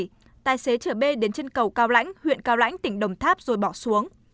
tại vậy tài xế chở b đến chân cầu cao lãnh huyện cao lãnh tỉnh đồng tháp rồi bỏ xuống